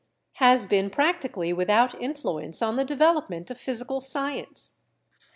has been practically without influence on the development of physical science.